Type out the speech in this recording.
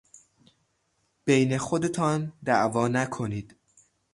بین خودتان دعوا نکنید!